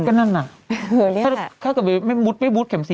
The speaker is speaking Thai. ก็นั่นน่ะถ้าเกิดไม่บู๊ดเข็ม๔